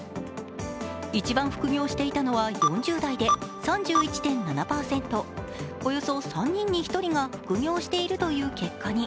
一番復業していたのは４０代で、３１．７％およそ３人に１人が副業しているという結果に。